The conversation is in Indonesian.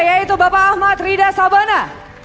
yaitu bapak ahmad rida sabana